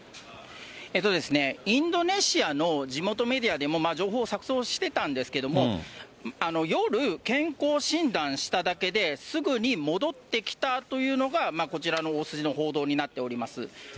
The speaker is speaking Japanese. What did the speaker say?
インドネシアの地元メディアでも情報錯そうしてたんですけども、夜、健康診断しただけで、すぐに戻ってきたというのがこちらの大筋の報道になっております。